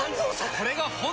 これが本当の。